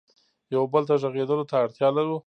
یو بل ته غږېدلو ته اړتیا لرو.